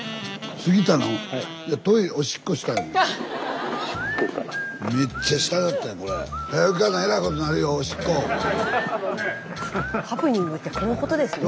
スタジオハプニングってこのことですね。